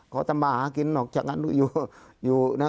เขาต้องไม่จะหากินออกซักนานอยู่นะ